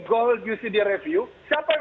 gold ucd review siapa yang